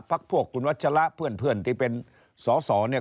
พักพวกคุณวัชละเพื่อนที่เป็นสอสอเนี่ย